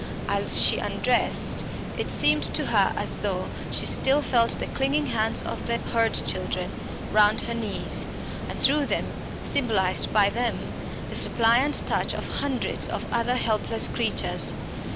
As she undressed, it seemed to her as though she still felt the clinging hands of the Hurd children round her knees, and through them, symbolised by them, the suppliant touch of hundreds of other helpless creatures.